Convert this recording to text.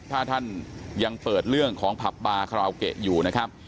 ถ้าท่านยังเปิดเรื่องของผับบาคาราโอเกะอยู่นะครับ